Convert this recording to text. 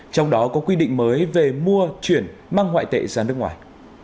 trong đó có quy định mới về mua chuyển mang ngoại tệ ra nước ngoài